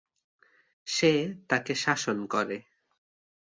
সে তাকে শাসন করে।